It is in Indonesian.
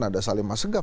ada salimah segaf